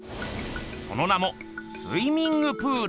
その名も「スイミング・プール」！